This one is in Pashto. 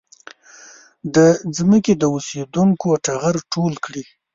د ځمکې د اوسېدونکو ټغر ټول کړي.